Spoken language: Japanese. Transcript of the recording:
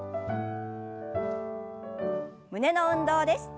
胸の運動です。